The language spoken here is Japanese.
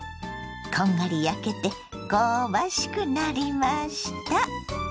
こんがり焼けて香ばしくなりました。